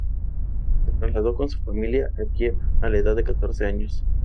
Se trasladó con su familia a Kiev a la edad de catorce años.